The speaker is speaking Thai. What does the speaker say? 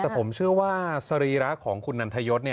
แต่ผมเชื่อว่าสรีระของคุณนันทยศ